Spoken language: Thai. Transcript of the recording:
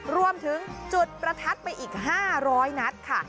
รวมถึงจุดประทัดไปอีก๕๐๐นัดค่ะ